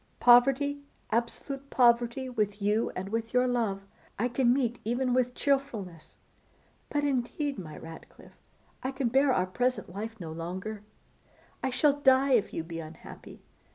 Poverty, absolute poverty, with you and with your love, I can meet even with cheerfulness; but indeed, my Ratcliffe, I can bear our present life no longer; I shall die if you be unhappy.